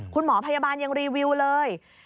คุณหมอพยาบาลยังรีวิวเลย